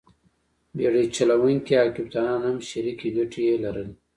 بېړۍ چلوونکي او کپټانان هم شریکې ګټې یې لرلې.